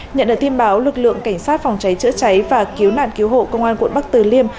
nhận được tin báo lực lượng cảnh sát phòng cháy chữa cháy và cứu nạn cứu hộ công an quận bắc từ liêm